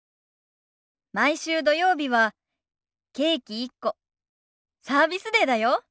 毎週土曜日はケーキ１個サービスデーだよ。